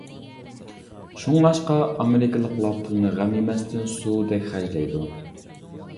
شۇڭلاشقا، ئامېرىكىلىقلار پۇلنى غەم يېمەستىن سۇدەك خەجلەيدۇ.